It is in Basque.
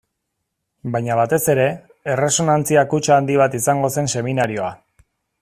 Baina batez ere, erresonantzia kutxa handi bat izango zen seminarioa.